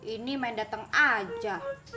ini main dateng aja